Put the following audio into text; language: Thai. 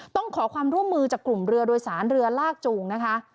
ต้องขอความร่วมมือจากกลุ่มเรือโดยสารเรือลากจูงนะคะ